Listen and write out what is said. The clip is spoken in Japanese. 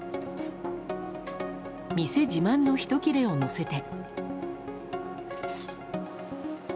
店自慢の、ひと切れをのせて。